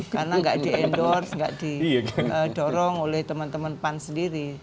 karena nggak di endorse nggak didorong oleh teman teman pan sendiri